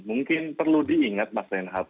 mungkin perlu diingat mas reinhardt